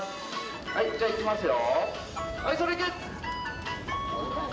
はいじゃあ行きますよ？